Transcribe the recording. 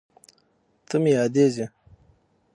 ته مې یادېږې